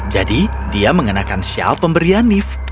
jadi dia mengenakan shell pemberian nif